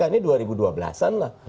ini dua ribu dua belas an lah